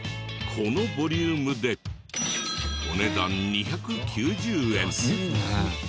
このボリュームでお値段２９０円。